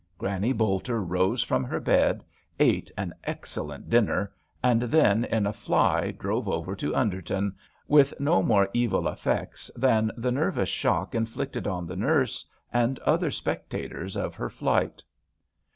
Granny Bolter rose from her ) bed, ate an excellent dinner, and then in a I fly drove over to Underton, with no more levil eff^ects than the nervous shock inflicted on the nurse and other spectators of her flight.